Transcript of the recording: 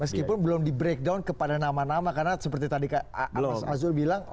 meskipun belum di breakdown kepada nama nama karena seperti tadi mas azul bilang